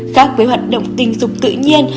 phát với hoạt động tinh dục tự nhiên